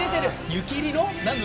湯切りの？